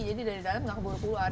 jadi dari dalam nggak keburu keluar